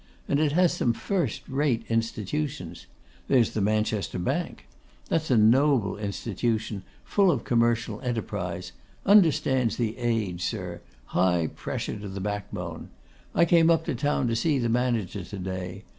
And it has some firstrate institutions. There's the Manchester Bank. That's a noble institution, full of commercial enterprise; understands the age, sir; high pressure to the backbone. I came up to town to see the manager to day.